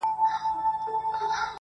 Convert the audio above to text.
• رنګین ګلونه پر ګرېوانه سول -